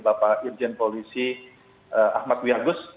bapak irjen polisi ahmad wiagus